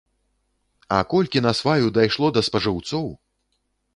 А колькі насваю дайшло да спажыўцоў!